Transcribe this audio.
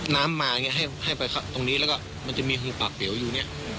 น้ำมาอย่างนี้ให้ไปตรงนี้แล้วก็มันจะมีหึงปากเป๋วอยู่เนี่ย